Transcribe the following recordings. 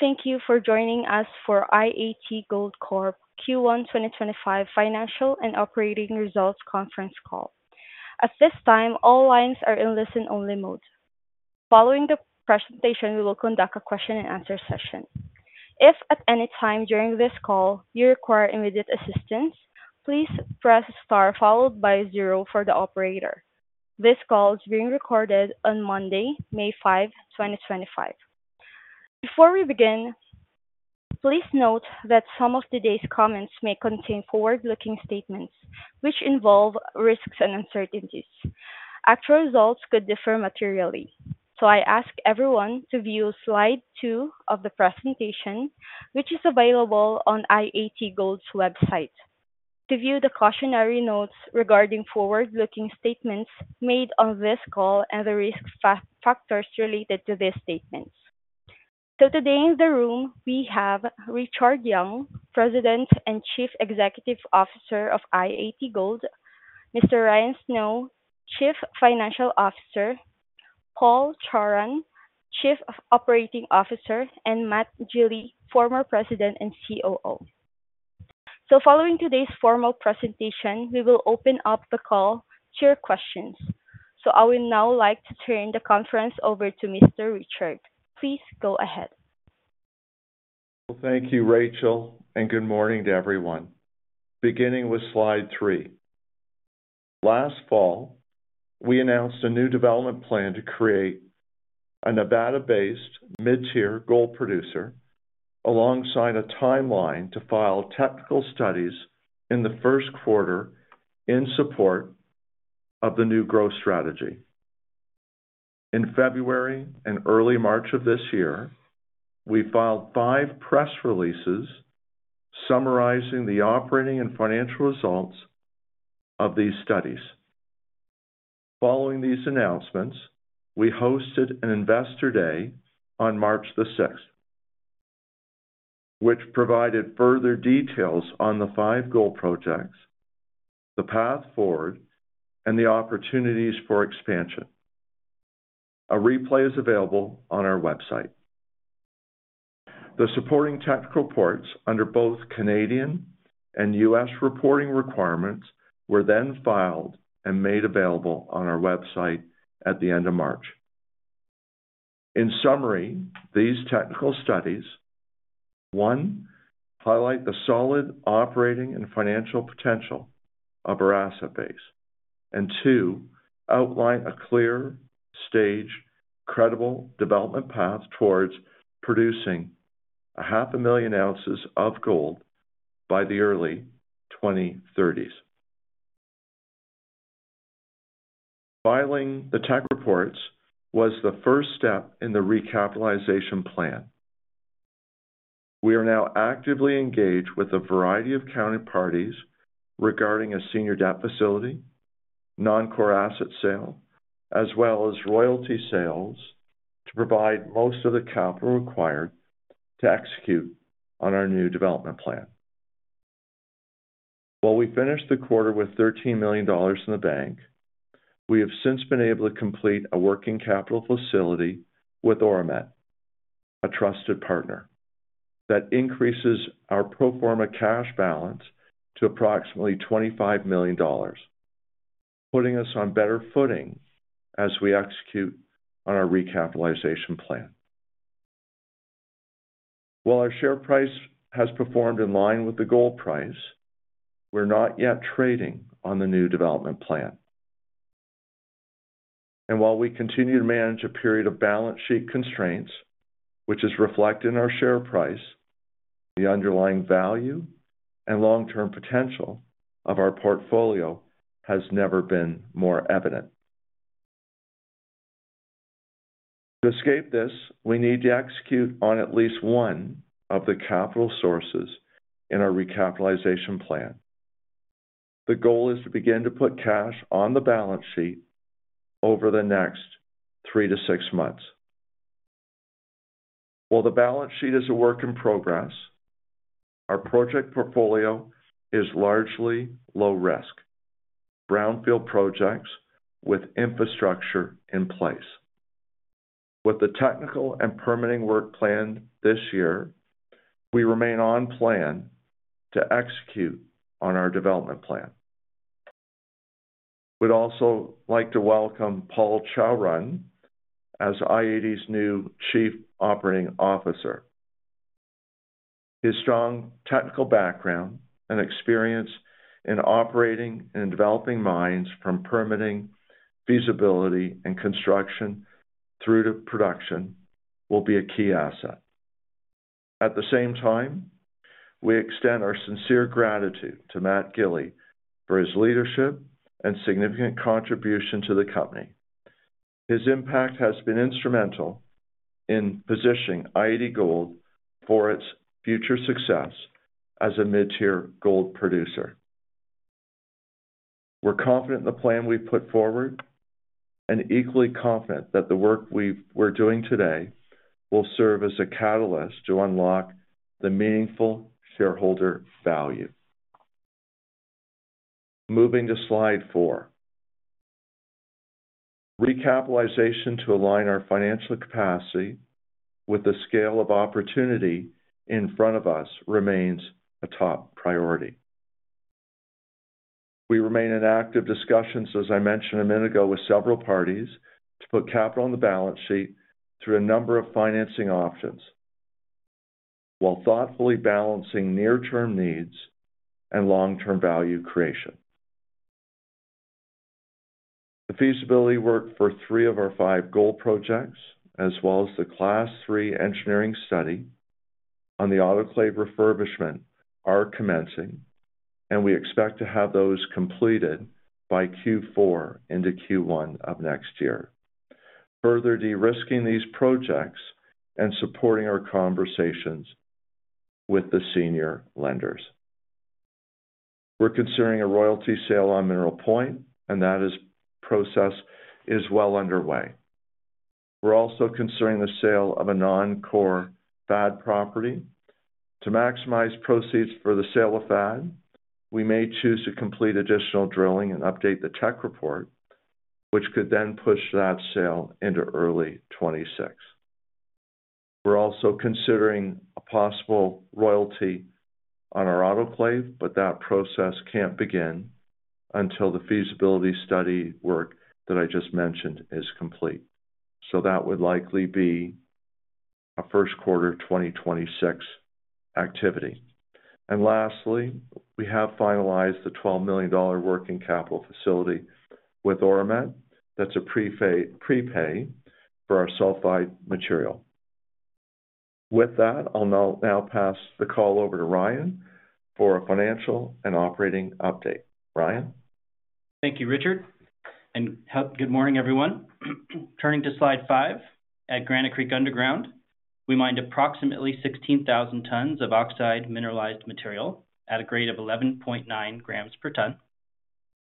Thank you for joining us for i-80 Gold Q1 2025 Financial and Operating Results Conference Call. At this time, all lines are in listen-only mode. Following the presentation, we will conduct a question-and-answer session. If at any time during this call you require immediate assistance, please press star followed by zero for the operator. This call is being recorded on Monday, May 5, 2025. Before we begin, please note that some of today's comments may contain forward-looking statements which involve risks and uncertainties. Actual results could differ materially, so I ask everyone to view slide two of the presentation, which is available on i-80 Gold's website, to view the cautionary notes regarding forward-looking statements made on this call and the risk factors related to these statements. Today in the room, we have Richard Young, President and Chief Executive Officer of i-80 Gold; Mr. Ryan Snow, Chief Financial Officer, Paul Chawrun, Chief Operating Officer, and Matt Gilli, former President and COO. Following today's formal presentation, we will open up the call to your questions. I would now like to turn the conference over to Mr. Richard. Please go ahead. Thank you, Rachel, and good morning to everyone. Beginning with slide three. Last fall, we announced a new development plan to create a Nevada-based mid-tier gold producer alongside a timeline to file technical studies in the first quarter in support of the new growth strategy. In February and early March of this year, we filed five press releases summarizing the operating and financial results of these studies. Following these announcements, we hosted an Investor Day on March the 6th, which provided further details on the five gold projects, the path forward, and the opportunities for expansion. A replay is available on our website. The supporting technical reports under both Canadian and U.S. reporting requirements were then filed and made available on our website at the end of March. In summary, these technical studies: one, highlight the solid operating and financial potential of our asset base; and two, outline a clear-stage, credible development path towards producing 500,000 ounces of gold by the early 2030s. Filing the tech reports was the first step in the recapitalization plan. We are now actively engaged with a variety of counterparties regarding a senior debt facility, non-core asset sale, as well as royalty sales to provide most of the capital required to execute on our new development plan. While we finished the quarter with $13 million in the bank, we have since been able to complete a working capital facility with Auramet, a trusted partner, that increases our pro forma cash balance to approximately $25 million, putting us on better footing as we execute on our recapitalization plan. While our share price has performed in line with the gold price, we're not yet trading on the new development plan. While we continue to manage a period of balance sheet constraints, which is reflected in our share price, the underlying value and long-term potential of our portfolio has never been more evident. To escape this, we need to execute on at least one of the capital sources in our recapitalization plan. The goal is to begin to put cash on the balance sheet over the next three to six months. While the balance sheet is a work in progress, our project portfolio is largely low-risk, brownfield projects with infrastructure in place. With the technical and permitting work planned this year, we remain on plan to execute on our development plan. We'd also like to welcome Paul Chawrun as i-80's new Chief Operating Officer. His strong technical background and experience in operating and developing mines from permitting, feasibility, and construction through to production will be a key asset. At the same time, we extend our sincere gratitude to Matt Gili for his leadership and significant contribution to the company. His impact has been instrumental in positioning i-80 Gold for its future success as a mid-tier gold producer. We're confident in the plan we've put forward and equally confident that the work we're doing today will serve as a catalyst to unlock the meaningful shareholder value. Moving to slide four. Recapitalization to align our financial capacity with the scale of opportunity in front of us remains a top priority. We remain in active discussions, as I mentioned a minute ago, with several parties to put capital on the balance sheet through a number of financing options while thoughtfully balancing near-term needs and long-term value creation. The feasibility work for three of our five gold projects, as well as the class three engineering study on the autoclave refurbishment, are commencing, and we expect to have those completed by Q4 into Q1 of next year, further de-risking these projects and supporting our conversations with the senior lenders. We are considering a royalty sale on Mineral Point, and that process is well underway. We are also considering the sale of a non-core FAD property. To maximize proceeds for the sale of FAD, we may choose to complete additional drilling and update the tech report, which could then push that sale into early 2026. We are also considering a possible royalty on our autoclave, but that process cannot begin until the feasibility study work that I just mentioned is complete. That would likely be a first quarter 2026 activity. Lastly, we have finalized the $12 million working capital facility with Auramet. That is a prepay for our sulfide material. With that, I will now pass the call over to Ryan for a financial and operating update. Ryan. Thank you, Richard. Good morning, everyone. Turning to slide five, at Granite Creek Underground, we mined approximately 16,000 tons of oxide mineralized material at a grade of 11.9 grams per ton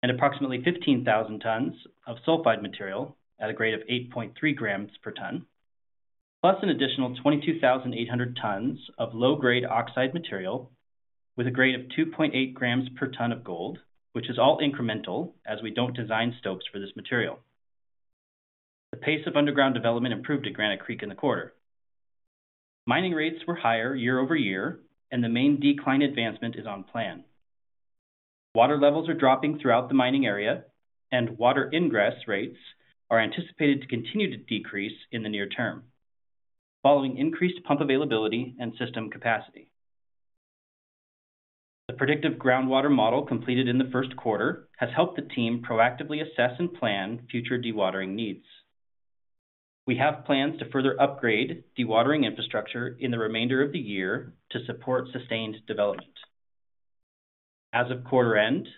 and approximately 15,000 tons of sulfide material at a grade of 8.3 grams per ton, plus an additional 22,800 tons of low-grade oxide material with a grade of 2.8 grams per ton of gold, which is all incremental as we don't design stokes for this material. The pace of underground development improved at Granite Creek in the quarter. Mining rates were higher year-over- year, and the main decline advancement is on plan. Water levels are dropping throughout the mining area, and water ingress rates are anticipated to continue to decrease in the near term following increased pump availability and system capacity. The predictive groundwater model completed in the first quarter has helped the team proactively assess and plan future dewatering needs. We have plans to further upgrade dewatering infrastructure in the remainder of the year to support sustained development. As of quarter end,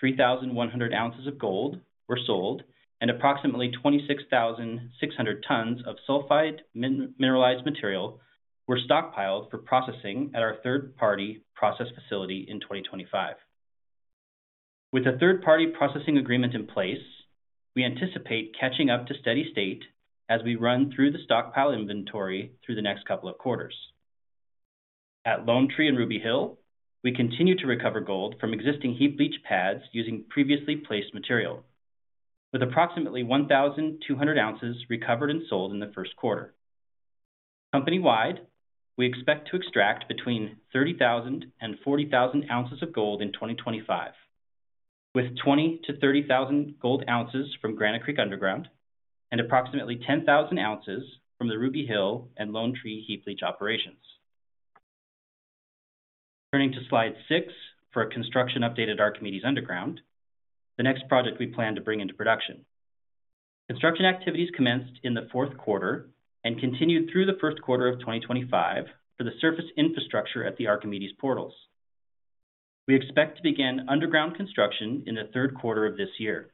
3,100 ounces of gold were sold, and approximately 26,600 tons of sulfide mineralized material were stockpiled for processing at our third-party process facility in 2025. With a third-party processing agreement in place, we anticipate catching up to steady state as we run through the stockpile inventory through the next couple of quarters. At Lone Tree and Ruby Hill, we continue to recover gold from existing heap leach pads using previously placed material, with approximately 1,200 ounces recovered and sold in the first quarter. Company-wide, we expect to extract between 30,000 and 40,000 ounces of gold in 2025, with 20,000 to 30,000 gold ounces from Granite Creek Underground and approximately 10,000 ounces from the Ruby Hill and Lone Tree heap leach operations. Turning to slide six for construction update at Archimedes Underground, the next project we plan to bring into production. Construction activities commenced in the fourth quarter and continued through the first quarter of 2025 for the surface infrastructure at the Archimedes portals. We expect to begin underground construction in the third quarter of this year.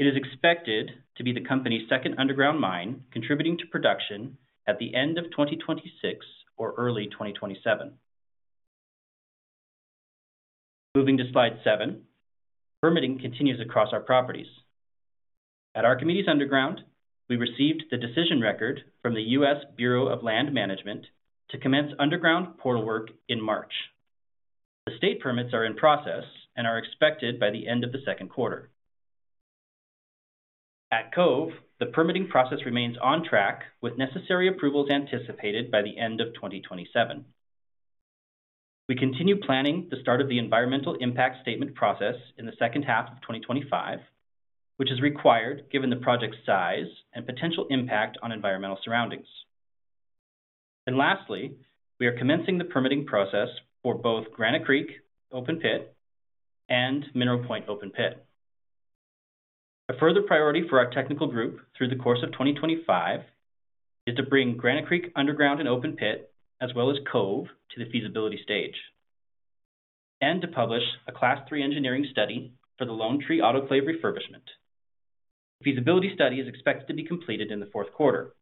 It is expected to be the company's second underground mine contributing to production at the end of 2026 or early 2027. Moving to slide seven, permitting continues across our properties. At Archimedes Underground, we received the decision record from the U.S. Bureau of Land Management to commence underground portal work in March. The state permits are in process and are expected by the end of the second quarter. At Cove, the permitting process remains on track with necessary approvals anticipated by the end of 2027. We continue planning the start of the environmental impact statement process in the second half of 2025, which is required given the project's size and potential impact on environmental surroundings. Lastly, we are commencing the permitting process for both Granite Creek Open Pit and Mineral Point Open Pit. A further priority for our technical group through the course of 2025 is to bring Granite Creek Underground and Open Pit, as well as Cove, to the feasibility stage and to publish a class three engineering study for the Lone Tree autoclave refurbishment. The feasibility study is expected to be completed in the fourth quarter.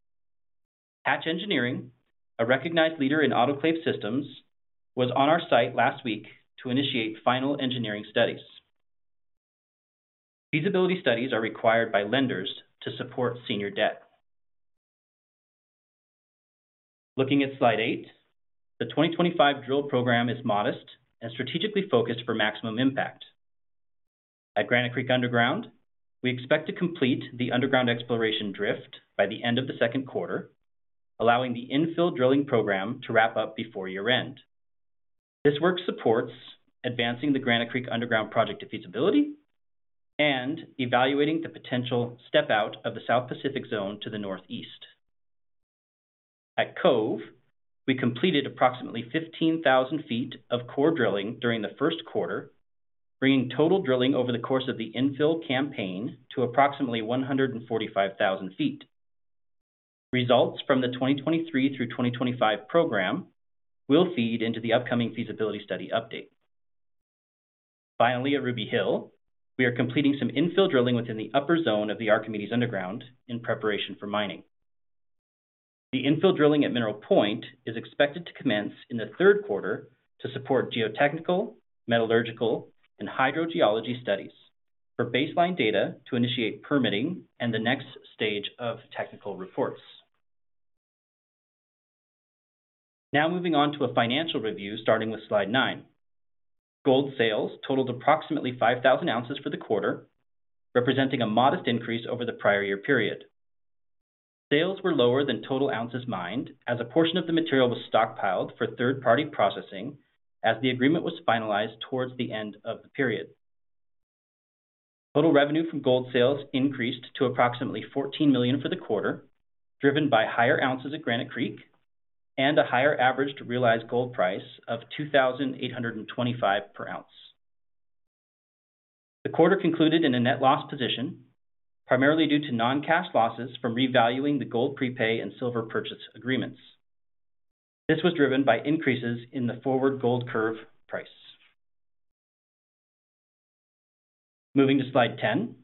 Hatch Engineering, a recognized leader in autoclave systems, was on our site last week to initiate final engineering studies. Feasibility studies are required by lenders to support senior debt. Looking at slide eight, the 2025 drill program is modest and strategically focused for maximum impact. At Granite Creek Underground, we expect to complete the underground exploration drift by the end of the second quarter, allowing the infill drilling program to wrap up before year-end. This work supports advancing the Granite Creek Underground project to feasibility and evaluating the potential step-out of the South Pacific Zone to the northeast. At Cove, we completed approximately 15,000 feet of core drilling during the first quarter, bringing total drilling over the course of the infill campaign to approximately 145,000 feet. Results from the 2023 through 2025 program will feed into the upcoming feasibility study update. Finally, at Ruby Hill, we are completing some infill drilling within the upper zone of the Archimedes Underground in preparation for mining. The infill drilling at Mineral Point is expected to commence in the third quarter to support geotechnical, metallurgical, and hydrogeology studies for baseline data to initiate permitting and the next stage of technical reports. Now moving on to a financial review starting with slide nine. Gold sales totaled approximately 5,000 ounces for the quarter, representing a modest increase over the prior year period. Sales were lower than total ounces mined as a portion of the material was stockpiled for third-party processing as the agreement was finalized towards the end of the period. Total revenue from gold sales increased to approximately $14 million for the quarter, driven by higher ounces at Granite Creek and a higher average realized gold price of $2,825 per ounce. The quarter concluded in a net loss position, primarily due to non-cash losses from revaluing the gold prepay and silver purchase agreements. This was driven by increases in the forward gold curve price. Moving to slide ten,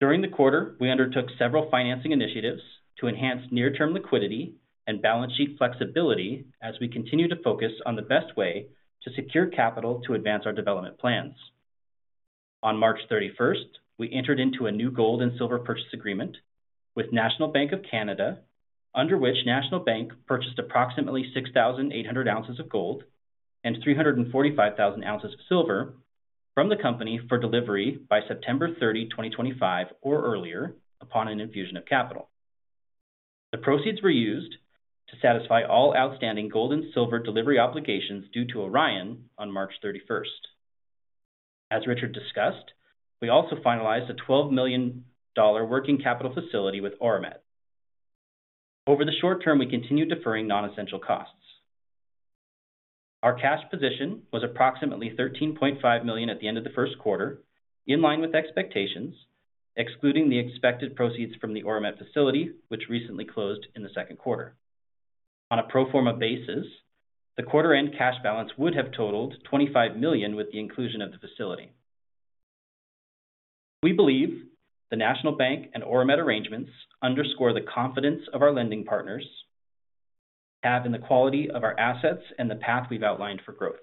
during the quarter, we undertook several financing initiatives to enhance near-term liquidity and balance sheet flexibility as we continue to focus on the best way to secure capital to advance our development plans. On March 31, we entered into a new gold and silver purchase agreement with National Bank of Canada, under which National Bank purchased approximately 6,800 ounces of gold and 345,000 ounces of silver from the company for delivery by September 30, 2025, or earlier upon an infusion of capital. The proceeds were used to satisfy all outstanding gold and silver delivery obligations due to Orion on March 31. As Richard discussed, we also finalized a $12 million working capital facility with Auramet. Over the short term, we continued deferring non-essential costs. Our cash position was approximately $13.5 million at the end of the first quarter, in line with expectations, excluding the expected proceeds from the Auramet facility, which recently closed in the second quarter. On a pro forma basis, the quarter-end cash balance would have totaled $25 million with the inclusion of the facility. We believe the National Bank and Auramet arrangements underscore the confidence our lending partners have in the quality of our assets and the path we have outlined for growth.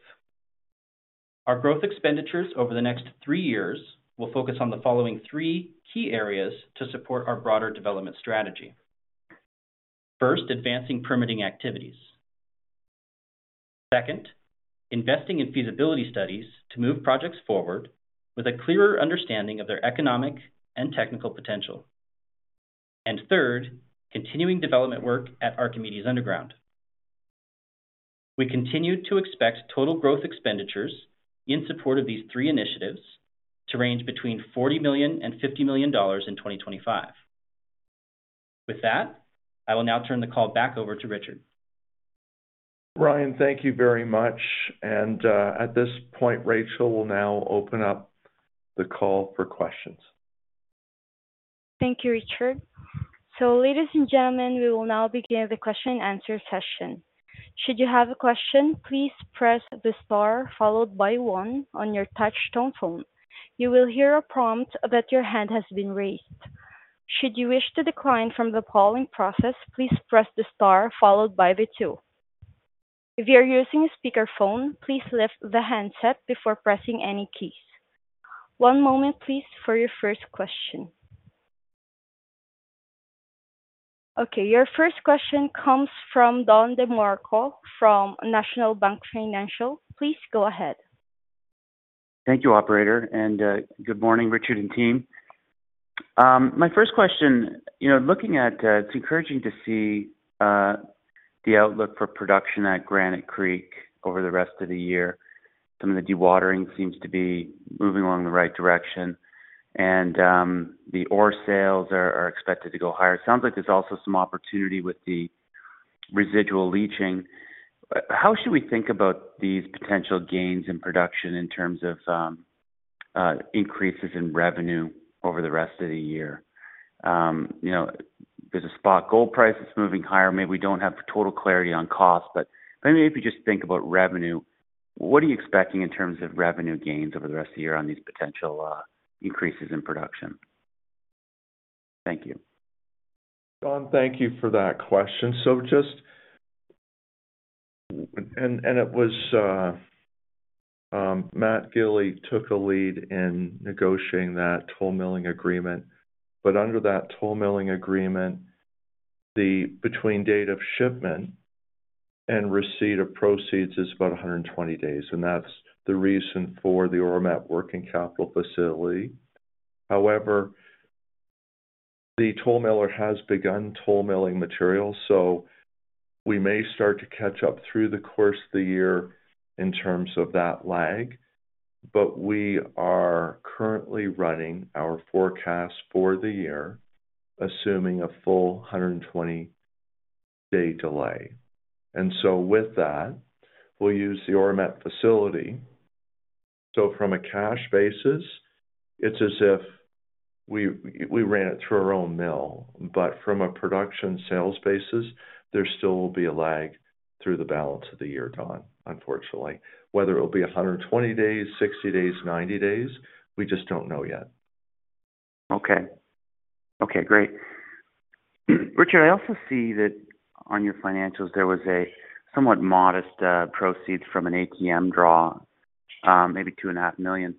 Our growth expenditures over the next three years will focus on the following three key areas to support our broader development strategy. First, advancing permitting activities. Second, investing in feasibility studies to move projects forward with a clearer understanding of their economic and technical potential. Third, continuing development work at Archimedes Underground. We continue to expect total growth expenditures in support of these three initiatives to range between $40 million and $50 million in 2025. With that, I will now turn the call back over to Richard. Ryan, thank you very much. At this point, Rachel will now open up the call for questions. Thank you, Richard. Ladies and gentlemen, we will now begin the question-and-answer session. Should you have a question, please press the star followed by one on your touchstone phone. You will hear a prompt that your hand has been raised. Should you wish to decline from the following process, please press the star followed by two. If you're using a speakerphone, please lift the handset before pressing any keys. One moment, please, for your first question. Your first question comes from Don DeMarco from National Bank Financial. Please go ahead. Thank you, Operator. Good morning, Richard and team. My first question, you know, looking at, it's encouraging to see the outlook for production at Granite Creek over the rest of the year. Some of the dewatering seems to be moving along the right direction, and the ore sales are expected to go higher. It sounds like there's also some opportunity with the residual leaching. How should we think about these potential gains in production in terms of increases in revenue over the rest of the year? You know, there's a spot gold price that's moving higher. Maybe we don't have total clarity on cost, but maybe if you just think about revenue, what are you expecting in terms of revenue gains over the rest of the year on these potential increases in production? Thank you. Don, thank you for that question. Just, and it was Matt Gili who took a lead in negotiating that toll milling agreement, but under that toll milling agreement, the between date of shipment and receipt of proceeds is about 120 days, and that's the reason for the Auramet working capital facility. However, the toll miller has begun toll milling material, so we may start to catch up through the course of the year in terms of that lag. We are currently running our forecast for the year, assuming a full 120-day delay. With that, we'll use the Auramet facility. From a cash basis, it's as if we ran it through our own mill, but from a production sales basis, there still will be a lag through the balance of the year, Don, unfortunately. Whether it'll be 120 days, 60 days, 90 days, we just don't know yet. Okay. Okay, great. Richard, I also see that on your financials, there was a somewhat modest proceeds from an ATM draw, maybe $2.5 million.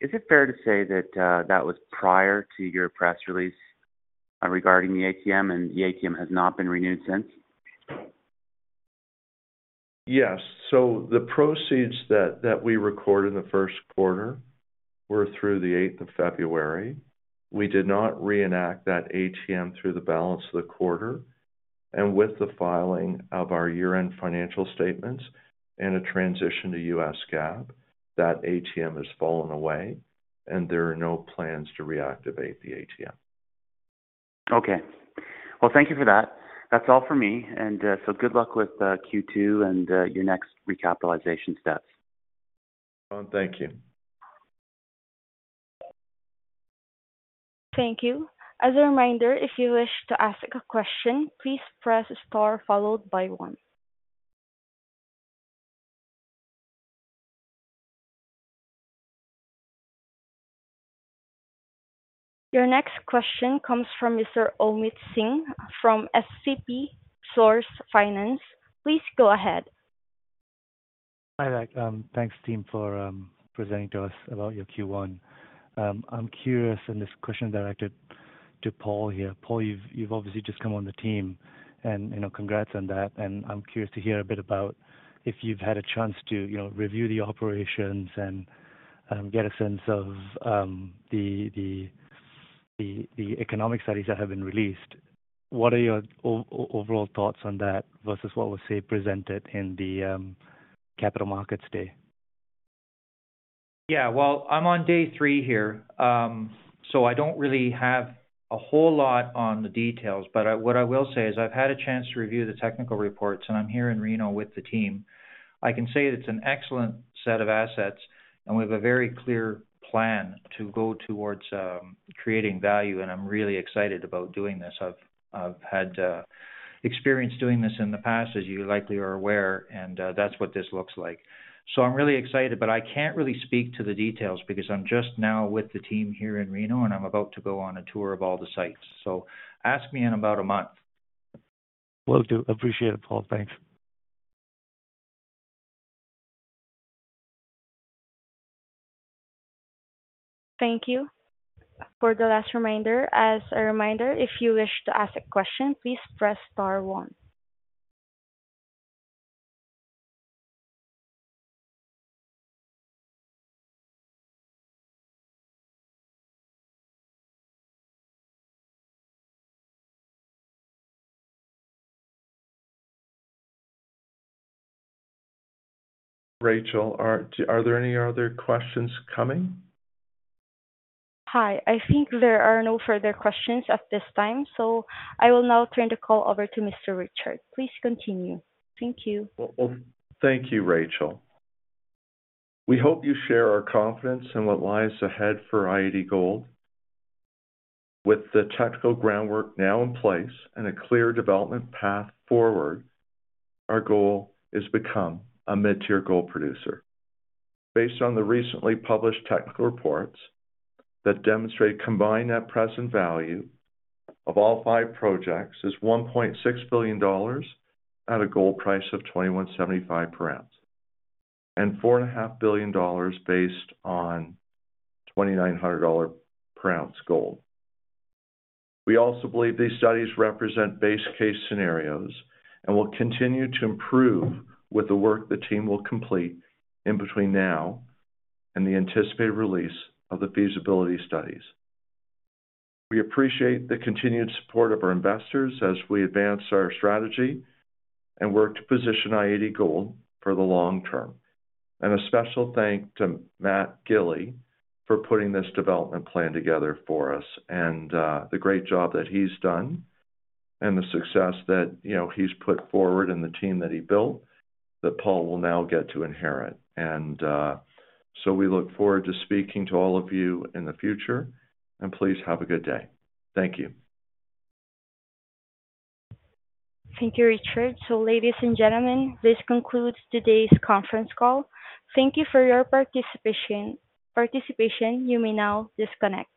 Is it fair to say that that was prior to your press release regarding the ATM, and the ATM has not been renewed since? Yes. The proceeds that we recorded in the first quarter were through the 8th of February. We did not reenact that ATM through the balance of the quarter. With the filing of our year-end financial statements and a transition to US GAAP, that ATM has fallen away, and there are no plans to reactivate the ATM. Okay. Thank you for that. That's all for me. Good luck with Q2 and your next recapitalization steps. Don, thank you. Thank you. As a reminder, if you wish to ask a question, please press star followed by one. Your next question comes from Mr. Omeet Singh from SCP Resource Finance. Please go ahead. Hi there. Thanks, team, for presenting to us about your Q1. I'm curious, and this question directed to Paul here. Paul, you've obviously just come on the team, and congrats on that. I'm curious to hear a bit about if you've had a chance to review the operations and get a sense of the economic studies that have been released. What are your overall thoughts on that versus what was presented in the capital markets day? Yeah, I'm on day three here, so I don't really have a whole lot on the details, but what I will say is I've had a chance to review the technical reports, and I'm here in Reno with the team. I can say it's an excellent set of assets, and we have a very clear plan to go towards creating value, and I'm really excited about doing this. I've had experience doing this in the past, as you likely are aware, and that's what this looks like. I'm really excited, but I can't really speak to the details because I'm just now with the team here in Reno, and I'm about to go on a tour of all the sites. Ask me in about a month. Will do. Appreciate it, Paul. Thanks. Thank you. As a reminder, if you wish to ask a question, please press star one. Rachel, are there any other questions coming? Hi, I think there are no further questions at this time, so I will now turn the call over to Mr. Richard. Please continue. Thank you. Thank you, Rachel. We hope you share our confidence in what lies ahead for i-80 Gold. With the technical groundwork now in place and a clear development path forward, our goal is to become a mid-tier gold producer. Based on the recently published technical reports that demonstrate combined net present value of all five projects is $1.6 billion at a gold price of $2,175 per ounce, and $4.5 billion based on $2,900 per ounce gold. We also believe these studies represent base case scenarios and will continue to improve with the work the team will complete in between now and the anticipated release of the feasibility studies. We appreciate the continued support of our investors as we advance our strategy and work to position i-80 Gold for the long term. A special thanks to Matt Gili for putting this development plan together for us and the great job that he's done and the success that he's put forward and the team that he built that Paul will now get to inherit. We look forward to speaking to all of you in the future, and please have a good day. Thank you. Thank you, Richard. Ladies and gentlemen, this concludes today's conference call. Thank you for your participation. You may now disconnect.